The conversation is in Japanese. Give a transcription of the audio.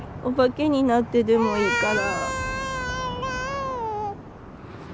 お化けになってでもいいから。